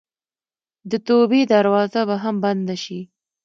د توبې دروازه به هم بنده شي.